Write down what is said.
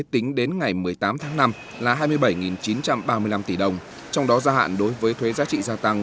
tính đến ngày một mươi tám tháng năm là hai mươi bảy chín trăm ba mươi năm tỷ đồng trong đó gia hạn đối với thuế giá trị gia tăng